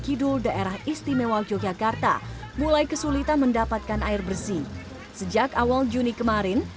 kidul daerah istimewa yogyakarta mulai kesulitan mendapatkan air bersih sejak awal juni kemarin